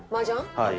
はい。